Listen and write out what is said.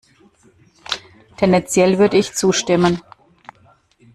Tendenziell würde ich zustimmen.